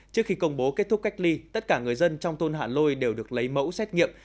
trước khi công bố kết thúc cách ly tất cả người dân trong thôn hạ lôi đều được lấy mẫu xét nghiệm